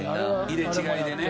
入れ違いでね。